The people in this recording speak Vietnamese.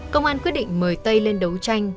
công an quyết định mời tây lên đấu tranh